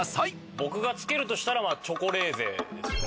僕がつけるとしたらチョコレーゼですよね。